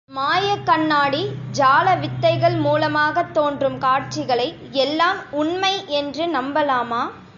மாயக் கண்ணாடி ஜால வித்தைகள் மூலமாகத் தோன்றும் காட்சிகளை எல்லாம் உண்மை என்று நம்பலாமா?